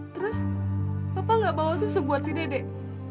terus bapak nggak bawa susu buat si dedek